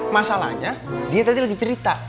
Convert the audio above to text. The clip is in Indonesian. masalahnya dia tadi lagi cerita